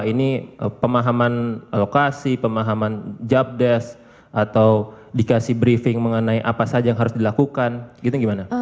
ini pemahaman lokasi pemahaman jabdes atau dikasih briefing mengenai apa saja yang harus dilakukan gitu gimana